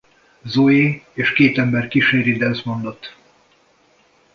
Zoe és két ember kíséri Desmondot.